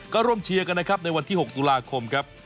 ก็ร่วมเชียร์กันนะครับในวันที่๖ตุลาคมครับ